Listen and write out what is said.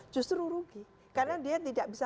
justru rugi karena dia tidak bisa